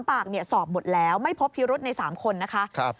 ปากสอบหมดแล้วไม่พบพิรุษใน๓คนนะคะ